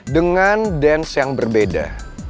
dengan dance yang berbeda